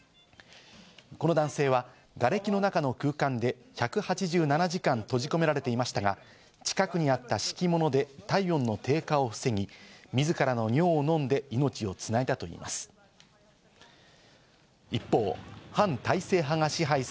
この男性はがれきの中の空間で１８７時間、閉じ込められていましたが、近くにあった敷物で体温の低下を防ぎ、自らの尿を飲んで命をつないだといいます。